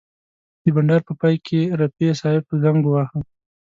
د بنډار په پای کې رفیع صاحب زنګ وواهه.